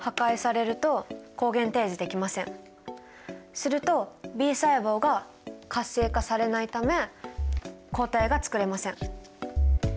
するとＢ細胞が活性化されないため抗体がつくれません。